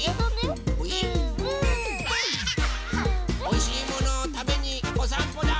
おいしいものをたべにおさんぽだ！